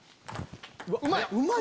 うまい！